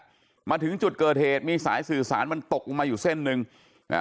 มาถึงจุดเกิดเหตุมีสายสื่อสารมันตกลงมาอยู่เส้นหนึ่งอ่า